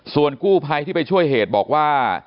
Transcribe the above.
ส่วนกู้ภัยที่ไปช่วยเหตุบอกว่า